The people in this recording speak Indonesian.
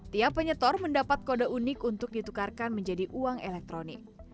tiap penyetor mendapat kode unik untuk ditukarkan menjadi uang elektronik